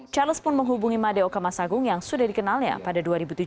charles pun menghubungi madeo kamasagung yang sudah dikenalnya pada dua ribu tujuh belas